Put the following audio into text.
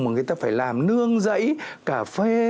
mà người ta phải làm nương dãy cà phê